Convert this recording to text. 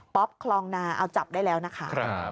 คลองนาเอาจับได้แล้วนะคะ